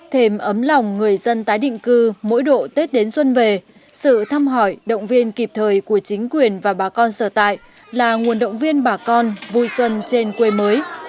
thêm ấm lòng người dân tái định cư mỗi độ tết đến xuân về sự thăm hỏi động viên kịp thời của chính quyền và bà con sở tại là nguồn động viên bà con vui xuân trên quê mới